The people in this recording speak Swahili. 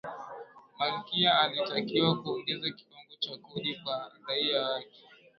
malkia alitakiwa kuongeza kiwango cha kodi kwa raia wake